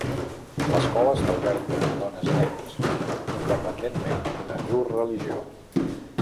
L'escola està oberta a dones i nens, independentment de llur religió.